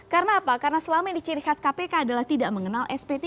karena apa karena selama ini ciri khas kpk adalah tidak mengenal sp tiga